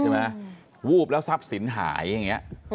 ใช่ไหมวูบแล้วทรัพย์ศิลป์หายอย่างนี้